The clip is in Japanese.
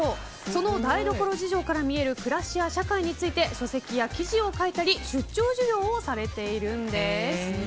その台所事情から見える暮らしや社会について書籍や記事を書いたり出張授業をされているんです。